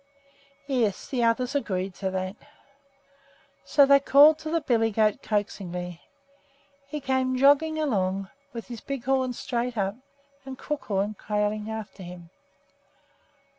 Yes, the others agreed to that. So they called to the billy goat coaxingly. He came jogging along with his big horns straight up and Crookhorn trailing after him.